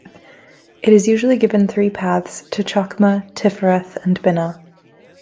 It is usually given three paths, to Chokmah, Tiphereth and Binah.